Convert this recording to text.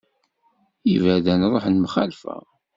Iberdan ruḥen mxalfa.